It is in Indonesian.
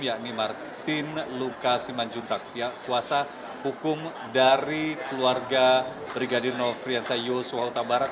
yakni martin lukasiman juntak pihak kuasa hukum dari keluarga brigadier novo friensa yosua huta barat